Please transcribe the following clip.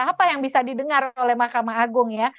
apa yang bisa didengar oleh mahkamah agung ya